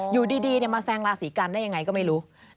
อยู่ดีมาแซงราศีกันได้ยังไงก็ไม่รู้